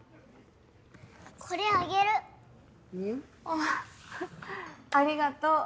あっありがとう。